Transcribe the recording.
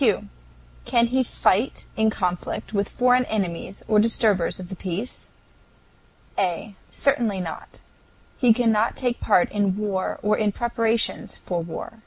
Can he fight in conflict with foreign enemies or disturbers of the peace? A. Certainly not. He cannot take any part in war or in preparations for war.